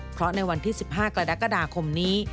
เพราะในวันที่๑๕กรกฎาคมนี้